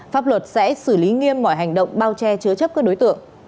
pháp luật sẽ xử lý nghiêm mọi hành động bao che chứa chấp các đối tượng